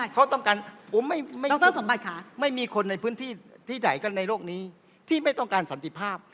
เขาต้องการผมไม่มีคนในพื้นที่ที่ใดก็ในโลกนี้ที่ไม่ต้องการสันติภาพ